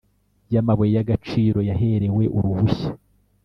Y amabuye y agaciro yaherewe uruhushya